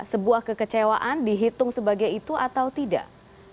sebuah kekecewaan dihitung sebagai itu atau tidak